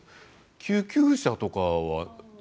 救急車とかは？